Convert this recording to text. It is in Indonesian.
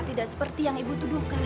tidak seperti yang ibu tuduhkan